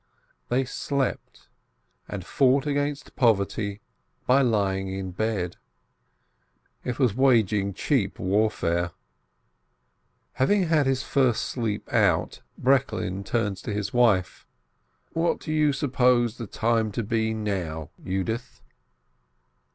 They slept, and fought against poverty by lying in bed. It was waging cheap warfare. Having had his first sleep out, Breklin turns to his wife: "What do you suppose the time to be now, Yudith?"